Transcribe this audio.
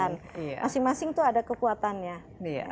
masing masing itu ada kekuatannya